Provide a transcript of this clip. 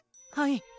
はい。